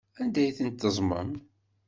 Anda ay tent-teẓẓmem?